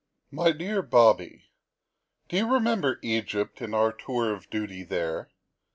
"My DEAR BOBBT: Do you remember Egypt and our tour of duty there?